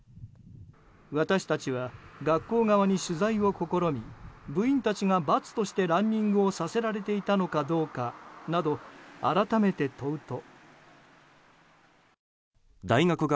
私たちは、学校側に取材を試み部員たちが罰としてランニングをさせられていたのかどうかなど改めて問うと。